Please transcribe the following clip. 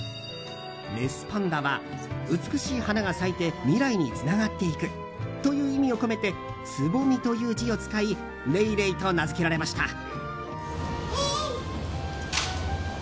メスパンダは美しい花が咲いて未来につながっていくという意味を込めて「蕾」という字を使いレイレイと名付けられました。